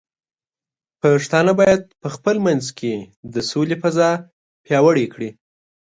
پښتانه بايد په خپل منځ کې د سولې فضاء پیاوړې کړي.